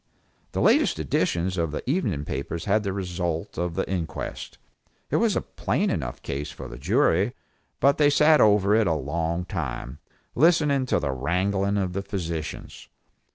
The latest editions of the evening papers had the result of the inquest. It was a plain enough case for the jury, but they sat over it a long time, listening to the wrangling of the physicians.